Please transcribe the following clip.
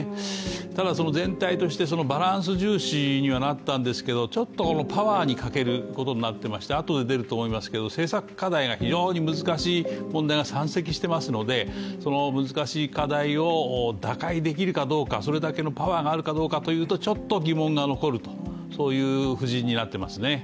ただ全体としてバランス重視にはなったんですけど、ちょっとパワーに欠けるということになっていまして政策課題が非常に難しい問題が山積していますので、その難しい課題を打開できるかどうかそれだけのパワーがあるかどうかというとちょっと疑問が残るという布陣になっていますね。